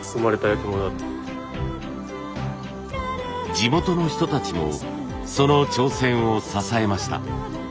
地元の人たちもその挑戦を支えました。